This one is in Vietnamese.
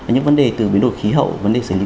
những vấn đề từ biến đổi khí hậu vấn đề xử lý